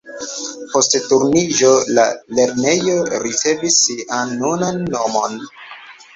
Post Turniĝo la lernejo ricevis sian nunan nomon.